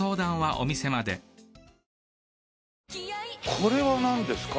これはなんですか？